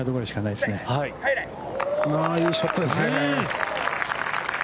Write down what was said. いいショットですね。